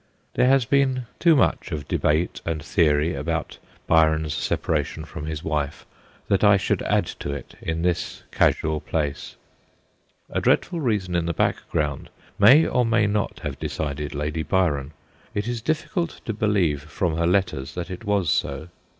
There has been too much THE EVIL TIME 105 of debate and theory about Byron's separa tion from his wife that I should add to it in this casual place. A dreadful reason in the background may or may not have decided Lady Byron ; it is difficult to believe from her letters that it was so.